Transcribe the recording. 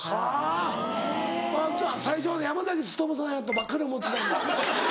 はぁじゃあ最初は山努さんやとばっかり思ってたんだ。